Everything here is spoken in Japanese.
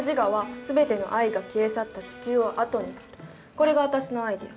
これが私のアイデア。